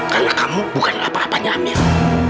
karena kamu bukanlah apa apanya amira